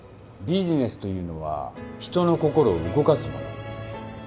ビジネスというのは人の心を動かすもの